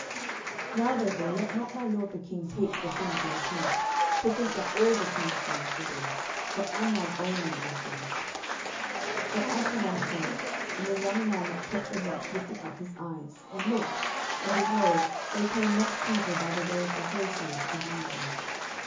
10:013:033 Now therefore let not my lord the king take the thing to his heart, to think that all the king's sons are dead: for Amnon only is dead. 10:013:034 But Absalom fled. And the young man that kept the watch lifted up his eyes, and looked, and, behold, there came much people by the way of the hill side behind him.